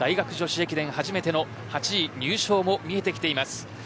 初めての８位入賞が見えてきています。